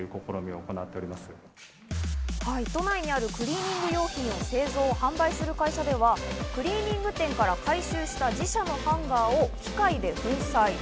都内にあるクリーニング用品を製造・販売する会社ではクリーニング店から回収した自社のハンガーを機械で粉砕。